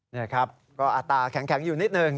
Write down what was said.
นี่ครับก็อัตราแข็งอยู่นิดหนึ่ง